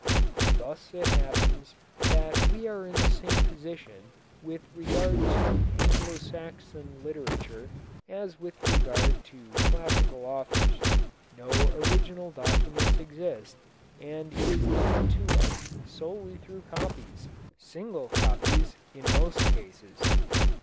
Thus it happens that we are in the same position with regard to Anglo Saxon literature as with regard to classical authors. No original documents exist, and it is known to us solely through copies, single copies, in most cases.